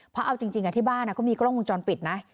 เพราะเอาจริงที่บ้านก็มีกล้องวงจรปิดนะ